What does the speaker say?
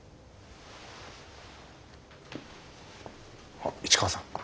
あっ市川さん。